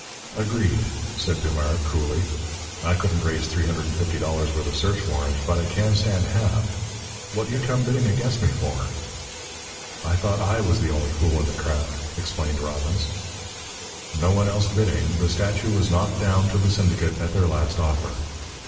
"Agreed!" said Dumars, coolly. "I couldn't raise three hundred and fifty dollars with a search warrant, but I can stand half. What you come bidding against me for?" "I thought I was the only fool in the crowd," explained Robbins. No one else bidding, the statue was knocked down to the syndicate at their last offer.